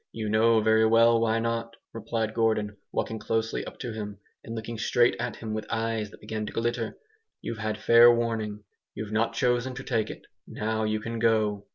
"You know very well why not!" replied Gordon, walking closely up to him, and looking straight at him with eyes that began to glitter, "you've had fair warning. You've not chosen to take it. Now you can go!"